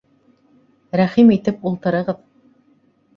Рәхим итеп ултырығыҙ!